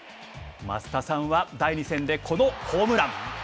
松田さんは、第２戦で、このホームラン。